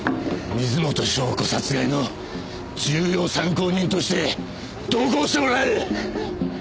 水元湘子殺害の重要参考人として同行してもらう！